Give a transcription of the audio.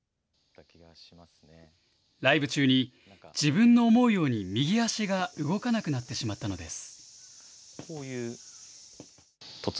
ライブ中に、自分の思うように右足が動かなくなってしまったのです。